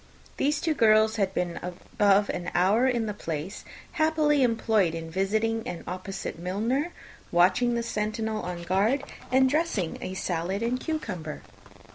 These two girls had been above an hour in the place, happily employed in visiting an opposite milliner, watching the sentinel on guard, and dressing a salad and cucumber.